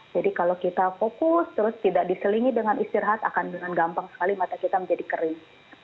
jadi kalau kita fokus terus tidak diselingi dengan istirahat akan dengan gampang sekali mata kita menjadi kering